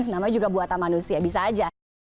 namanya juga buatan manusia bisa aja